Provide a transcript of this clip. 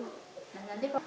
nah nanti pak